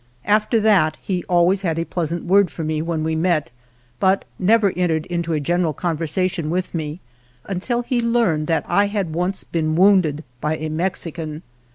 After that he always had a pleasant word for me when we met, but never entered into a general conversation with me until he learned that I had once been wounded by c Mexican.